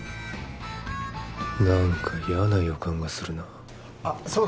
何か嫌な予感がするなあっそうだ